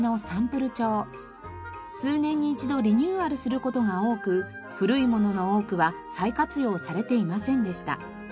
数年に一度リニューアルする事が多く古いものの多くは再活用されていませんでした。